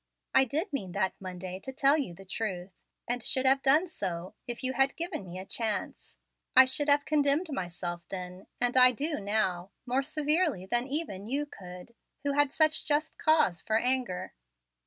I did mean that Monday to tell you the truth, and should have done so, if you had given me a chance. I should have condemned myself then, and I do now, more severely than even you could, who had such just cause for anger.